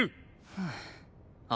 はあ。